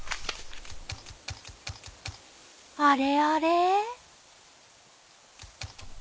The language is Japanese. あれあれ？